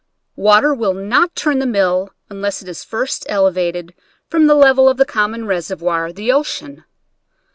Water will not turn the mill unless it is first elevated from the level of the common reservoir, the ocean.